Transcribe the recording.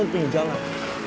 untuk nyujur jalan